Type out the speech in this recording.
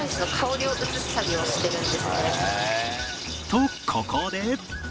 とここで